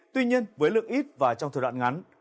tuy nhiên với lượng ít và trong thời đoạn ngắn